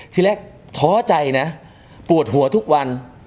ทีแรกท้อใจนะปวดหัวทุกวัน